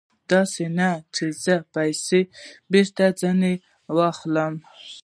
داسې نه چې زه پیسې بېرته ځنې واخلم.